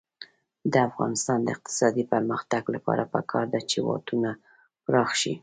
د افغانستان د اقتصادي پرمختګ لپاره پکار ده چې واټونه پراخ شي.